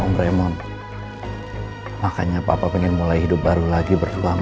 dia orang orang surat terbit